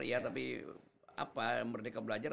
ya tapi apa merdeka belajar